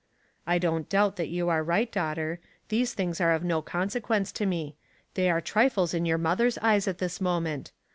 " I don't doubt that you are right, daughter. These things are of no consequence to me. They are trifles * i your mother's eyes at this mo ment.